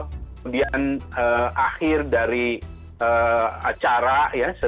kemudian akhir dari acara ya